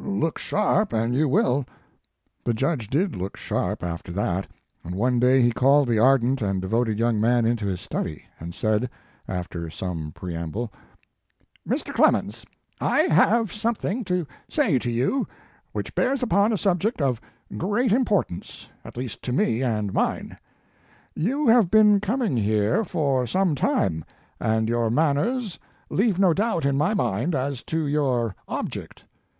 Look sharp and you will." The judge did "look sharp" after that and one day he called the ardent and de voted young man into his study, and said, after some preamble: "Mr. Clemens, I have something to say to you which bears upon a subject of great importance, at least to me and mine. You have been coming here for some time and your manners leave no doubt in my mind as to your object.